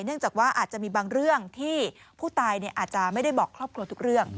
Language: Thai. เนื่องจากว่าอาจจะมีบางเรื่องที่ผู้ตายอาจจะไม่ได้บอกครอบครัวทุกเรื่อง